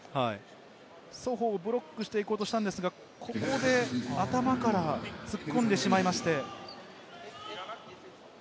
ソホをブロックしていこうとしたんですが、ここで頭から突っ込んでしまいまして。